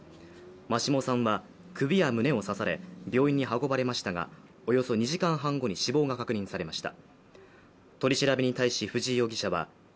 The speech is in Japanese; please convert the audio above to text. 真下さんは首や胸を刺され、病院に運ばれましたがおよそ２時間半後に、死亡が確認されました。